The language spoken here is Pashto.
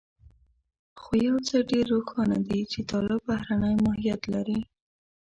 خو يو څه ډېر روښانه دي چې طالب بهرنی ماهيت لري.